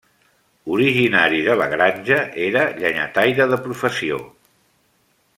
Originari de La Granja, era llenyataire de professió.